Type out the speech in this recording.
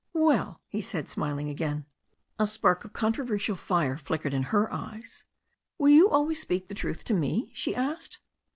"Well," he said, smiling again. A spark of controversial fire flickered in her eyes. "Will you always speak the truth to me?" she asked.